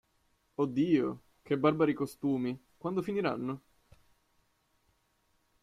Oh Dio, che barbari costumi, quando finiranno?